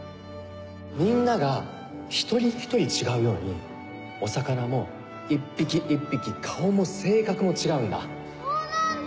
みんなが一人一人違うようにお魚も一匹一匹顔も性格も違うんだそうなんだ！